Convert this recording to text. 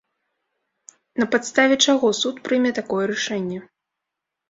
На падставе чаго суд прыме такое рашэнне?